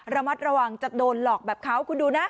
ระมัดระวังจะโดนหลอกแบบเขาคุณดูนะ